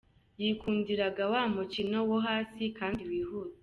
Yikundiraga wa mukino wo hasi kandi wihuta.